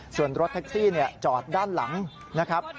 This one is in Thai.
ส่วนรถแท็กซี่จอดด้านหลังนะครับ